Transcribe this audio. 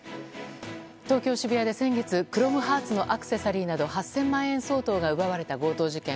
東京・渋谷で、先月クロムハーツのアクセサリーなど８０００万円相当が奪われた強盗事件。